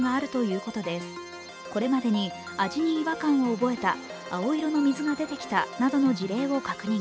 これまでに、味に違和感を覚えた、青色の水が出てきたなどの事例を確認。